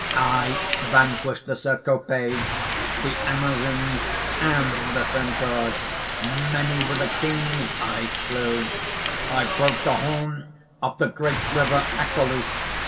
_) "I vanquished the Cercopes, the Amazons, and the Centaurs. Many were the kings I slew. I broke the horn of the great river, Achelous.